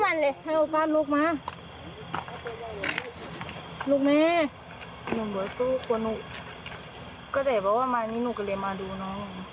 ว่าหนูก็จะเอาบอกว่ามานี้นูก็เลยมาดูนะ